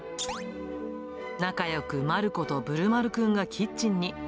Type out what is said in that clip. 仲よくまることぶるまるくんがキッチンに。